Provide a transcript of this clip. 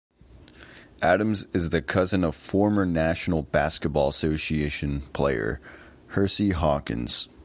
Adams is the cousin of former National Basketball Association player Hersey Hawkins.